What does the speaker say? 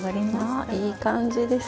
あいい感じです。